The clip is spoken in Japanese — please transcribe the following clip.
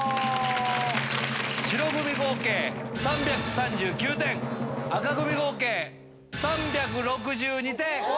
白組合計３３９点、紅組合計３６２点。